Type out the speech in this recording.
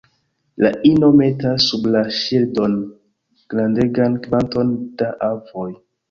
La ino metas sub la ŝildon grandegan kvanton da ovoj.